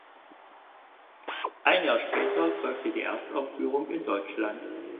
Ein Jahr später folgte die Erstaufführung in Deutschland.